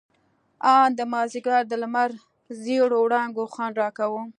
ان د مازديګر د لمر زېړو وړانګو خوند راکاوه.